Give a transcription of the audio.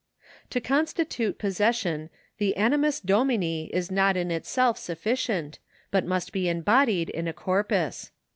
To constitute possession the animus domini is not in itself sufficient, but must be embodied in a corpus.